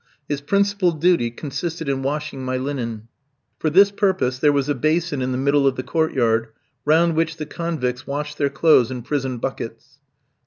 His principal duty consisted in washing my linen. For this purpose there was a basin in the middle of the court yard, round which the convicts washed their clothes in prison buckets.